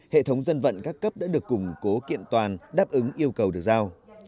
hệ thống dân vận các cấp đã được củng cố kiện toàn đáp ứng yêu cầu được giao